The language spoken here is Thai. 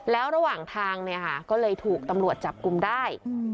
แล้วระหว่างทางเนี่ยค่ะก็เลยถูกตำรวจจับกลุ่มได้